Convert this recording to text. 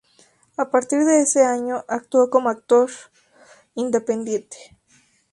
A partir de ese año actuó como actor independiente.